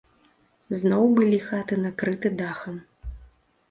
Зноў былі хаты накрыты дахам.